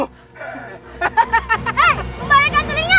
hei kembalikan sulingnya